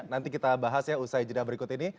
nanti kita bahas ya usai jeda berikut ini